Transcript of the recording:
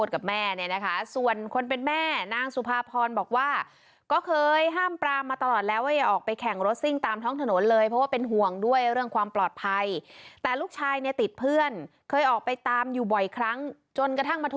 แล้วเพจที่ใครควรเปิด